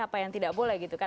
apa yang tidak boleh gitu kan